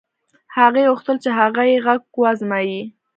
هغې غوښتل چې هغه يې غږ و ازمايي.